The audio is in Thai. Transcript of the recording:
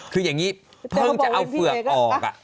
คืออย่างนี้เพิ่งจะเอาเฝือกออก